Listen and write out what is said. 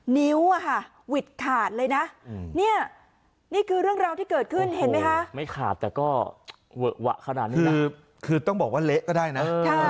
นิ้วหวิดขาดเลยนะเนี่ยนี่คือเรื่องราวที่เกิดขึ้นเห็นไหมคะไม่ขาดแต่ก็เวอะหวะขนาดนี้คือต้องบอกว่าเละก็ได้นะ